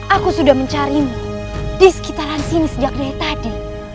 aku sudah mencari mu di sekitaran sini sejak dari tadi